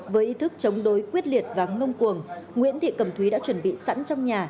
với ý thức chống đối quyết liệt và ngông cuồng nguyễn thị cẩm thúy đã chuẩn bị sẵn trong nhà